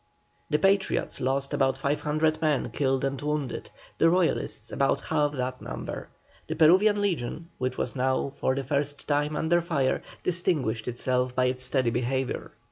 The Patriots lost about 500 men killed and wounded, the Royalists about half that number. The Peruvian legion, which was now for the first time under fire, distinguished itself by its steady behaviour.